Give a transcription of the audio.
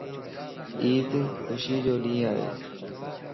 عيد خوشيءَ جو ڏينھن ائي